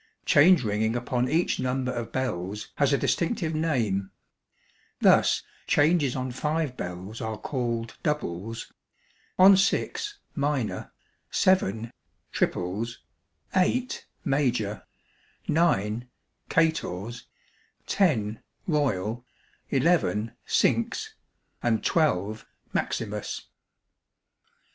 Change ringing upon each number of bells has a distinctive name; thus changes on five bells are called doubles; on six, minor; seven, triples; eight, major; nine, cators; ten, royal; eleven, cinques; and twelve, maximus.